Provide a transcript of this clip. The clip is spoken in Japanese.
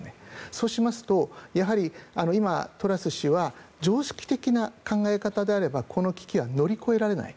そうしますと、やはり今、トラス氏は常識的な考え方であればこの危機は乗り越えられない。